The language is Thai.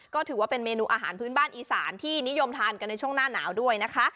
ก็ถือว่าเป็นเมนูอาหารพื้นบ้านอีสานที่นิยมทานกันในช่วงหน้าหนาวด้วยนะคะ